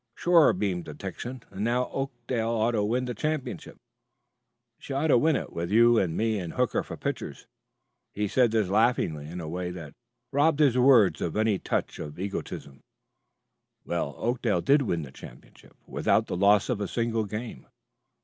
"Sure," beamed the Texan. "And now Oakdale ought to win the championship; she ought to win it with you and me and Hooker, for pitchers." He said this laughing in a way that robbed his words of any touch of egotism. Oakdale did win the championship, without the loss of a single game.